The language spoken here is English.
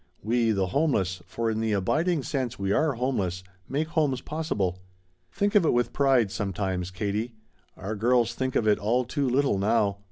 We, the homeless, for in the abiding sense we are homeless, make homes possible. Think of it with pride sometimes, Katie. Our girls think of it all too little now.